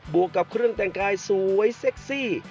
วกกับเครื่องแต่งกายสวยเซ็กซี่